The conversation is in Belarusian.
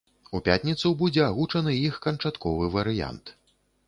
У пятніцу будзе агучаны іх канчатковы варыянт.